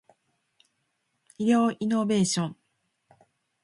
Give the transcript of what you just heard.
医療イノベーション